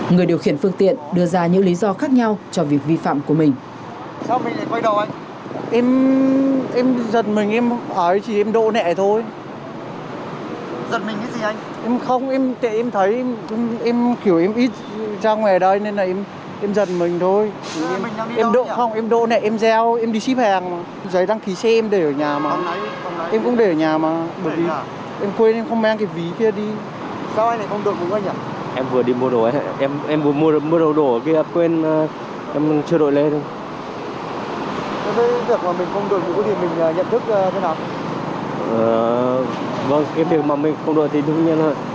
người điều khiển phương tiện đưa ra những lý do khác nhau cho việc vi phạm của mình